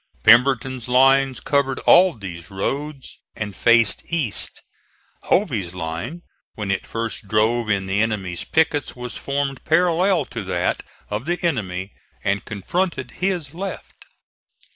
Pemberton's lines covered all these roads, and faced east. Hovey's line, when it first drove in the enemy's pickets, was formed parallel to that of the enemy and confronted his left.